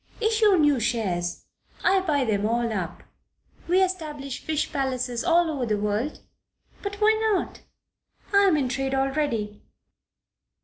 Issue new shares. I buy them all up. We establish fish palaces all over the world? But why not? I am in trade already.